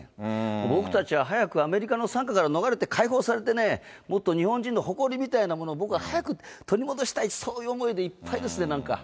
僕たちは早く、アメリカの傘下から逃れて解放されてね、もっと日本人の誇りみたいなものを僕は早く、取り戻したい、そういう思いでいっぱいですね、なんか。